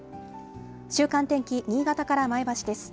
週間天気、新潟から前橋です。